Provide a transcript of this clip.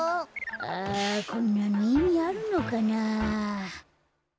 あこんなのいみあるのかな？